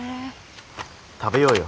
食べようよ